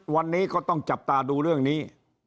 วันนี้ก็ต้องจับตาดูเรื่องนี้